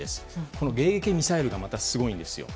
この迎撃ミサイルがまたすごいんですよ。